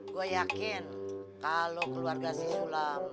gue yakin kalau keluarga si sulam